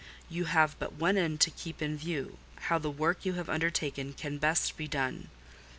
You have but one end to keep in view—how the work you have undertaken can best be done.